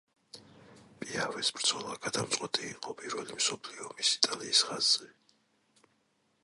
პიავეს ბრძოლა გადამწყვეტი იყო პირველი მსოფლიო ომის იტალიის ხაზზე.